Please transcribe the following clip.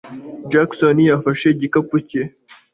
Jackson yafashe igikapu cye.